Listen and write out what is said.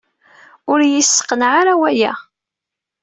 Ur iyi-yesseqneɛ ara waya.